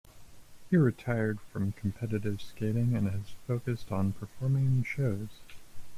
He retired from competitive skating and has focused on performing in shows.